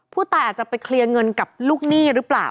ผู้ตายอาจจะไปเคลียร์เงินกับลูกหนี้หรือเปล่า